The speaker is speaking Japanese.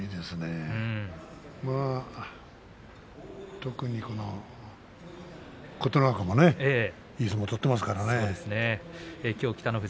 特に琴ノ若もね、いい相撲を取っていますからね。